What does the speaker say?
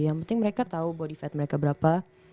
yang penting mereka tahu body fat mereka berapa